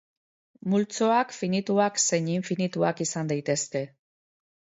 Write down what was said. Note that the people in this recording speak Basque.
Multzoak finituak zein infinituak izan daitezke.